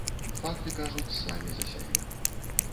Факты кажуць самі за сябе.